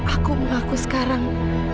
aku mengaku sekarang